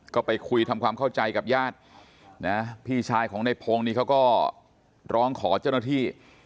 ก็ไปคุยทำความเข้าใจกับญาตินะพี่ชายของในพงศ์นี่เขาก็ร้องขอเจ้าหน้าที่